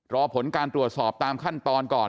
รอผลการตรวจสอบตามขั้นตอนก่อน